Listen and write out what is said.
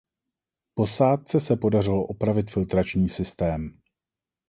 Posádce se podařilo opravit filtrační systém.